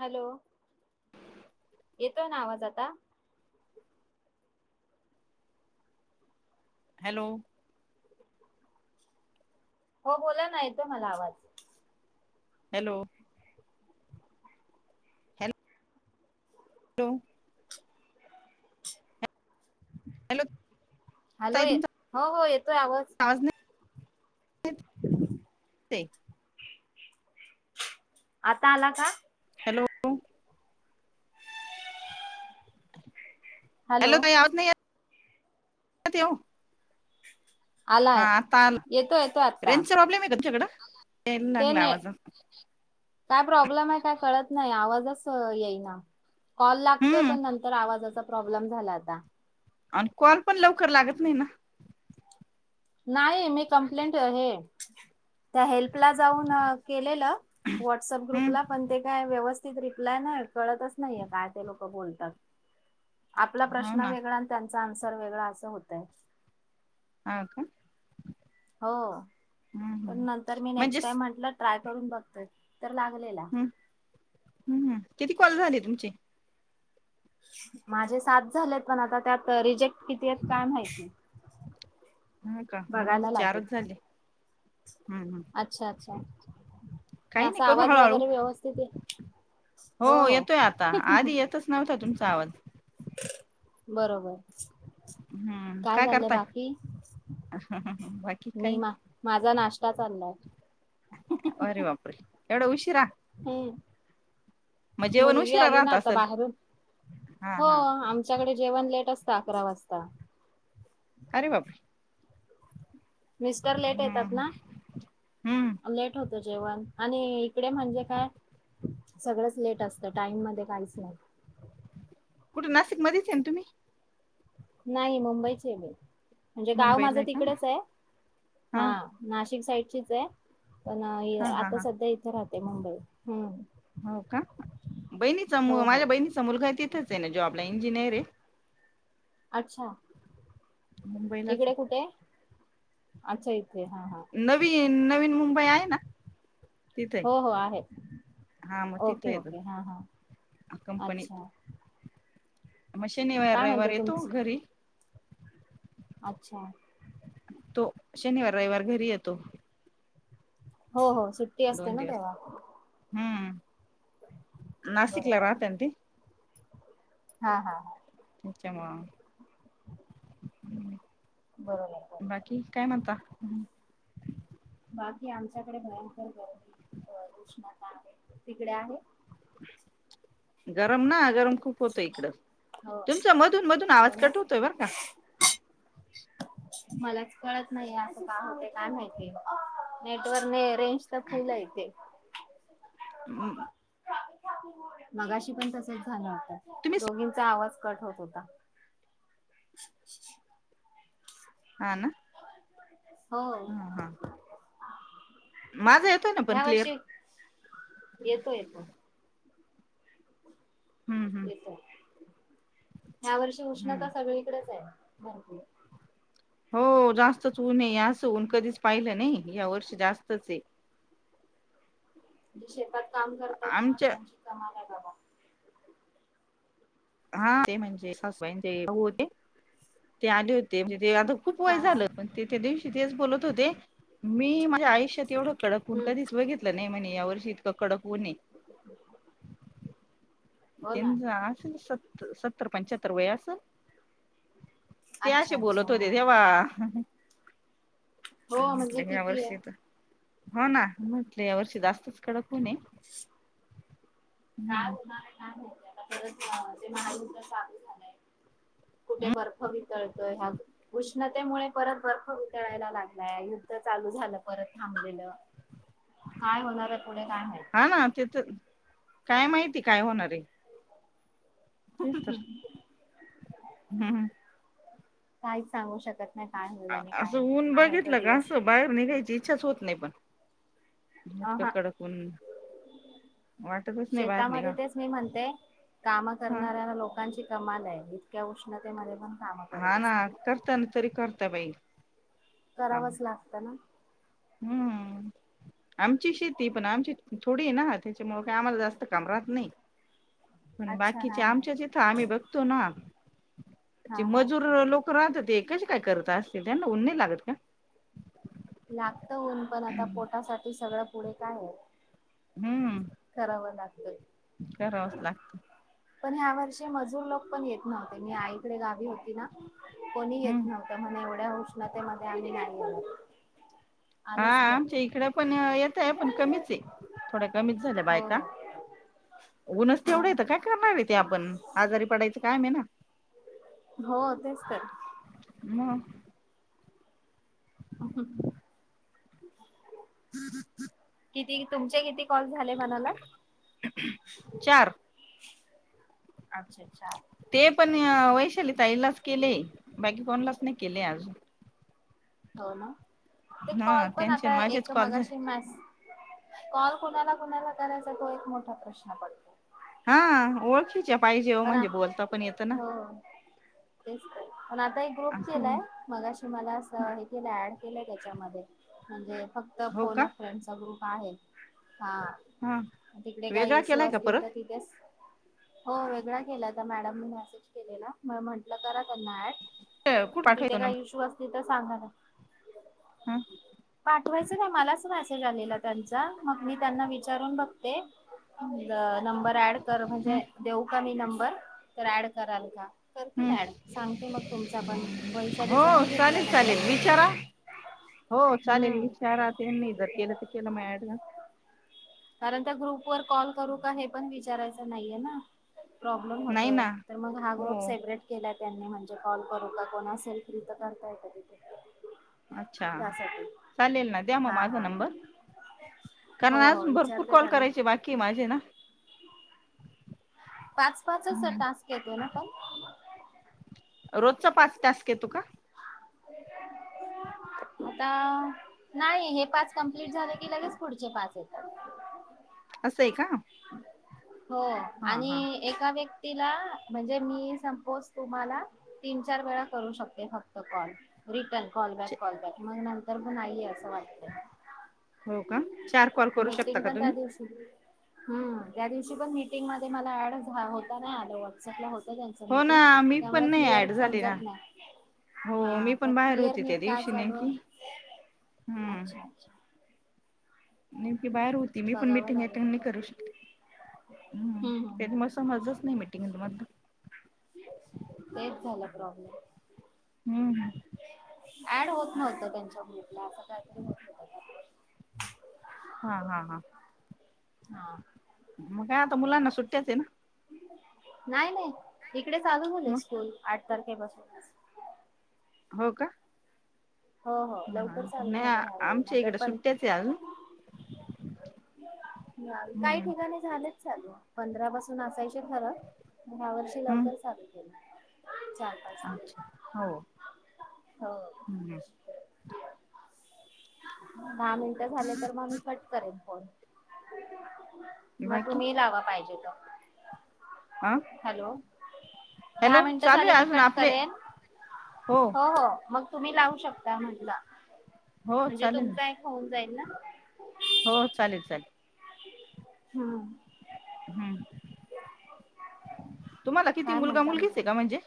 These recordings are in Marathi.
हॅलो येतोय ना आवाज आता. हॅलो हो बोला ना, येतोय मला आवाज. Hello hello hello hello, ये हो- हो येतोय आवाज. [unintelligible] ते [unintelligible] आता आला का? हॅलो हॅलो ताई, आवाज नाही येत [inaudible] ठेऊ. हा आलाय आता आला, येतो येतो आता रेंजचा प्रॉब्लेमय का तुमच्याकडं? यायला ते लागला नाही, आवाज काय प्रॉब्लेमय काय कळत नाही. आवाजच येईना. कॉल लागतोय हम्म पण नंतर आवाजाचा प्रॉब्लेम झालाय आता. आणि कॉल पण लवकर लागत नाही ना? नाही मी कमप्लेंट हे, [unintelligible] त्या हेल्प ला जाऊन केलेल, व्हाट्सअप हम्म ग्रुपला, पण ते काय व्यवस्थित रिप्लाय नाही, कळतच नाहीये, काय ते लोक बोलतात. आपला हो प्रश्न ना वेगळा न त्यांचा आन्सर वेगळा, असं होतय. हा का? हो, पण हम्म नंतर मी नेक्स्ट म्हणजेच टाइम म्हटलं, ट्राय करून बघते. तर लागलेला. हम्म हम्म किती कॉल झाले तुमचे? माझे सात झालेत. पण आता त्यात रिजेक्ट कितीयत काय माहिती. हा का, माझे बघायला लागेल चारच झाले. हम्म हम्म अच्छा अच्छा काही नाही असा करू आवाज हळूहळू वगैरे व्यवस्थित आहे. हो येतोय आता आधी येतच नव्हता तुमचा आवाज बरोबर हम्म काय झालंय करताय बाकी बाकी काय मी मा माझा नाश. का ांणारय. एवढ उशिरा हम्म. मग जेवण मुलगी उशिरा आली ना राहत आता असेल बाहेरून हा हो हा आमच्याकडे जेवण लेट असत अकरा वाजता. अरे बाप. मिस्टर लेट येतात ना हम्म लेट होत. जेवण आणि इकडे म्हणजे काय? सगळंच लेट असत टाईम मध्ये काहीच नाही. कुठे नाशिक मध्येच ये ना तुम्ही नाही मुंबईचे मी. म्हणजे गाव मुंबईला माझं का तिकडेच आहे हा नाशिक साईडचीच आहे. पण हा हा आता हा सध्या इथे राहते मुंबई हम. हो का बहिणीचा हो हो माझ्या बहिणीचा मुलगा तिथेच आहे ना जोब ला आपला इंजिनिअर ते अच्छा मुंबईलाच इकडे कुठे अच्छा इ. नवीन नवीन मुंबई आहे ना. तिथे हो हो आहे. हा मग तिथे ओके येतो ओके हा हा कंपनीत अच्छा. मग शनिवार काय रविवार म्हणते येतो तुमच घरी अच्छा. तो शनिवार रइवार घरी येतो. हो हो सुट्टी असते दोन ना दिवस तेव्हा हम्म नाशिकला बरोबर राहते न ती. हा हा हा. [unintelligible] बरोबर बरोबर बाकी काय म्हणता. बाकी आमच्याकडे भयंकर गर [unintelligible] उष्णता आहे तिकडे आहे. गरम ना गरम खूप होतं इकडं. हो तुमचा मधून मधून हो आवाज ना कट हुतोय बरं का? [inaudible] मलाच कळत नाही असं का हुतय काय माहिती नेटवर ने फ्रेंचचा फुल हाय तेे. हम्. मगाशी पण तसचं झाल हुतं तुम्ही स- दोघींचा आवाज कट होत होता. हाना. हो हा हा. माझा येतोय ना पण ह्या क्लिअर वर्षी येतो येतो हम्म हम्म तेच हाय ह्या वर्षी हम्म उष्णता सगळीकडचं हाय. [unintelligible] हो जास्तच ऊन हाय असं ऊन कधीच पाहिलं नाही या वर्षी जास्तच हे. जी शेतात काम करतात ना आमच्या त्यांची कमाल हा. हा ते म्हणजे सासूबाईंचे भाऊ होते, ते आले होते. ते आता खूप वय हा हा झालं पण ते त्या दिवशी तेच बोलत होते. मी माझ्या आयुष्यात एवढं कडक ऊन हम्म कधीच बघितलं नाही म्हणे या वर्षी इतकं कडक पुणे [inaudible] हो ना त्यांच असल सत् सत्तर पंचाहत्तर वय असलं, ते असे अच्छा अच्छा बोलत हा होते तेव्हा ह हो म्हंटल म्हणजे किती आहे यावर्षी येत हो ना म्हटल या वर्षी जास्तच कडक ऊन हे, ते आता परत म ते महायुद्ध चालू झालयं कुठे बर्फ वितळ अं ह्या उष्णतेमुळे परत बर्फ वितळायला लागलाय युद्ध चालू झालं परत थांबले [unintelligible] काय होणार हाय पुढे काय माहिती हा ना ते तर काय माहिती काय होणारय, तेच तर, हम्म, काहीच सांगू शकत, नाही काय होईल आ आणि काय असं नाही ऊन आहे तो बघितलं का, दिवस असं बाहेर निघायची इच्छाच होत नाही पण अ [unintelligible] हा कडक ऊन, वाटतच नाही बाहेर निघा शेतामध्ये तेच मी म्हणते कामं हा करणाऱ्या लोकांची कमाल काय इतक्या उष्णते मधे पण कामं करत हा ना असतात करता ना तरी करता बाई काम करावंच लागतं ना. हम्म. [inaudible] आमची शेती हे पण आमची थोडी हे ना तेच्यामुळं काय आम्हाला जास्त काम राहात नै पण अच्छा हा बाकीचे हा आमच्याच इथं आम्ही बघतो ना ते हा हा मजूर लोक राहत होते ते कशी काय करत असतील त्यांना ऊन नाही लागत का? लागत ऊन पण आता पोटासाठी सगळं पुढे काय हाय हम्म, करावं लागत, करावच लागत, पण ह्या वर्षी मजूर लोक पण येतव्हते मी आईकडे गा कोणी येत हम्म. नव्हत म्हण एवढ्या उष्णतेमध्ये आणि हम, हा आमच्या इकडे पण येतय पण कमीच आहे थोड कमीच हो बायका ऊनच तेवढे तर काय करणार ते आपण आजारी पडायच काय म हो तेच तर, मग, [inaudible] [inaudible] किती तुमचे किती कॉल झाले म्हणाला? [inaudible] चार अच्छा अच्छा ते पण वैशालीताईलाच केले बाकी कोणलाच नाही केले अजून हो ना ते हा कॉल पण त्यांचे आता माझेच एक कॉल झाले मगाशी मस कॉल कुणाला कुणाला करायचा तो एक मोठा प्रश्न पडतो हा ओळखीच्या पाहिजे हो ना म्हणजे बोलता पण येतं ना, हो तेच तर पण आता एक ग्रुप असं केलाय मगाशी मला अस हे केलंय ऍड केलंय त्याच्यामध्ये म्हणजे फक्त हो का फोनप फ्रेंडचा ग्रुप आहे. हा हा तिकडे काय वेगळा इशू केलाय का असतील परत तर तिथेच हो वेगळा केलाता मॅडम मेसेज केलेला म म्हंटलं करा त्यांना कुठ ऍड तुथे पाठवायचो ना काय इशू असतील तर सांगा ना, हम्म पाठवायचं नाही मला म आ त्यां मग मी त्यांना विचारून बघते नंबर ऍड कर म्हणजे देऊ का मी नंबर तर ऍड कराल का, करतील हम्म ऐड सांगते मग तुमचा पण हो वैशालीचा पण घेत चालेल चालेल विचारा हो चालेल हम्म विचारा त्यां इ जर केलं तर केलं मड कारण त्या ग्रुप वर कॉल करू का हे पण विचारायचं नाहीये ना प्रॉब्लेम नाही होतोय ना तर मग हा ग्रुप हो सेपरेट केला त्यांनी म्हणजे कॉल करूता कोणा असेल कथ करताय का तिथे अच्छा त्यासाठी चालेल ना द्या मग हा माझा हा नंबर हो कारण हो अजून बर खूप विचारते कॉल त्यांना करायचे बाकी माझे ना पाच पाचच हम्म. टास्क येतोय ना पण रोजचा पाच तास येतो का अ आता नाही हे पाच कमप्लीट झालं की लगेच पुढचे पाच येतात ह असंय का हो हा हा आणि एका व्यक्तीला म्हणजे मी संपोस तुम्हाला तीन तीन-चार वेळा करू शकते कॉल रिटर्न कॉल बैक अस वाट हो का चार कॉल करू शकता मीटिंग का पण त्या तुम्ही दिवशी हम् त्या दिवशी पण मीटिंग मध्ये मला ऍड होता नाही आला व्हट्सअपला हो त्यां हो ना मी पण त्यामुळे नाही क्लिअर ऍड झाले ना समजत नाही हो मी हा तर पण बाहेर क्लिअर होते त्या नीट काय दिवशी चालू नेमकी हम्म अच्छा अच्छा नेमकी बाहेर होती मी पण बघावं मीटिंग अटेंड लागेल नाही करू शकते हम् हम्म त्या हम्म. मसमजच नाही मिटिंग तु मलं तेच झाला प्रॉब्लेम हम्म हम्म ऍड होत नव्हत त्यांच्या ग्रुपला असं काहीतरी होत नत हा हा हा हा मग का आता मुलांना सुट्ट्याच आहे ना नाही नाही इकडे चालू झाले मग स्कूल आठ तारखे पासून हो का हो हो हा लवकर चालू नाही झाले आ- ह्यावेळी आमच्या नंतर इकडे पण सुट्ट्याच आहे अजून ह हम्म काही ठिकाणी झाले चालू पंधरा पासून असायचे खरं ह्या वर्षी हम्म लवकर चालू केलं चार पाच अच्छा दिवस हो हो हम् दहा मिनट झाले तर मग मी कट करेन फोन मग बाकी तुम्ही लावा पाहिजे त अ हॅलो दहा हॅलो मिनटं चालू झाली आहे की अजून कट आपले करेन हो हो मग तुम्ही लावू शकता म्हटल हो म्हणजे चालेल ना तुमचा एक होउन जाईल ना हो चालेल चालेल हम् हम् तुम्हाला किती काय मुलगा म्हणता मग मुलगीच आहे आज? का म्हणजे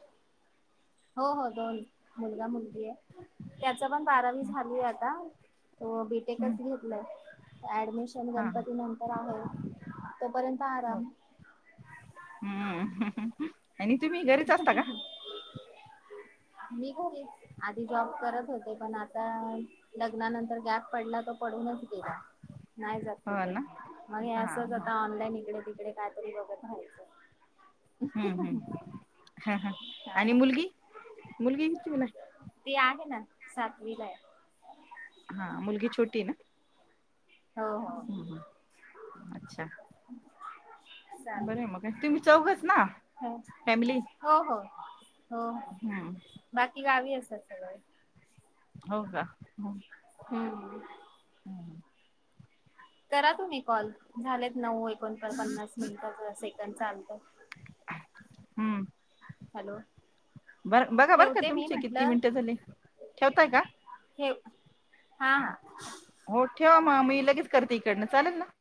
हो हो दोन मुलगा मुलगी आहे त्याचा पण बारावी हम्म झालीय आता हो हम्म. बीटेकच घेतलाय ऍडमिशन हा हा गणपती नंतर आहे तोपर्यंत हो आराम हम्म ह आणि तुम्ही घरीच असता का ह मी घरीच आधी जॉब करत होते पण आता लग्नानंतर गॅप पडला त पण राहूनच गेले नाही जात हो कुठे ना मग हे हा असच हा आता ऑनलाईन इकडे तिकडे कायतरी बघत रा्हायचं हम्म हम्म हा हा आणि हा मुलगी मुलगी कितीवीलाये. ती आहे ना सातवीला हाय. हा मुलगी छोटी न हो हो हम्म हं अच्छा बर आहे चालेल. मग तुम्ही चौघच ना फॅमिली हो हो हो हो हम्म. बाकी गावी असतात सगळे हो का? हू हम्म हम्म करा तुम्ही कॉल झालेत नऊ एकोण पन्नास मिनिटंच से त्यां चालतय. हम्म हॅलो बर बघा बरं का ठेवते मी तुमचे किती म्हटलं मिनिटं झाले ठेवताय का? ठेव हा हा. हो ठेवा म मी लगेच करते इकडनं चालेल ना?